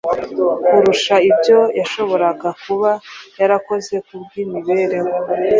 kurusha ibyo yashoboraga kuba yarakoze kubw’imibereho ye